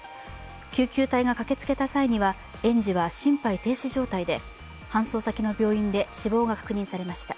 救急隊が駆けつけた際には園児は心肺停止状態で搬送先の病院で死亡が確認されました。